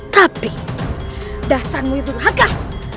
tapi dasarmu itu berhakkah